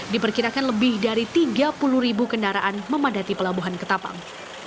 diperkirakan lebih dari tiga puluh ribu kendaraan memadati pelabuhan ketapang